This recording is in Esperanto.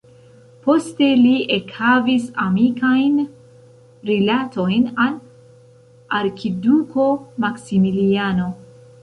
Poste li ekhavis amikajn rilatojn al arkiduko Maksimiliano.